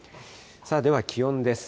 では気温です。